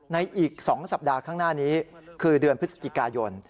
อีก๒สัปดาห์ข้างหน้านี้คือเดือนพฤศจิกายน